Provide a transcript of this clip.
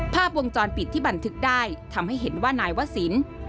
ภาพวงจรปิดที่บันทึกได้ทำให้เห็นว่านายวศิลป์